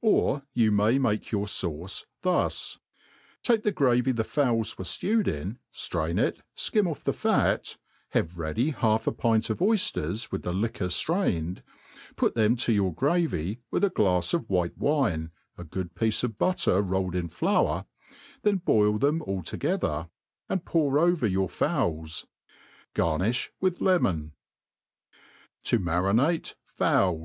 Or you may make your fauCe thus : take the gravy the fowls were newed in, ftrain it, fkim oUt the fat; have ready half si pint of oyfters, with the liquor ftrained ; put them to your gravy, with a glafs'of white wine, a good piece of butter roll ed in flour s then boil them all together^ and pour over your fowls. Garnifli with lemon. To marinate PowU.